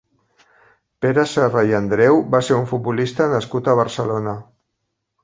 Pere Serra i Andreu va ser un futbolista nascut a Barcelona.